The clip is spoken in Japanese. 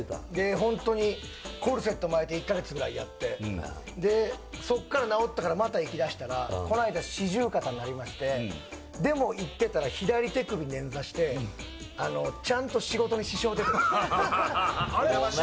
本当にコルセット巻いて１か月ぐらいやって、で、そっから治ったからまた行きだしたら、この間、四十肩になりまして、でも行ってたら左手首捻挫して、ちゃんと仕事に支障出てます。